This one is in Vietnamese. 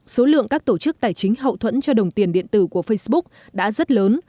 số lượng các tổ chức tài chính hậu thuẫn cho đồng tiền điện tử của facebook đã rất lớn